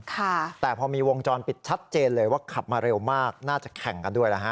แต่พอมีวงจรปิดชัดเจนเลยว่าขับมาเร็วมากน่าจะแข่งกันด้วยแล้วฮะ